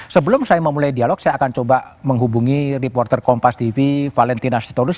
sebelum saya memulai dialog saya akan coba menghubungi reporter kompas tv valentina sitorus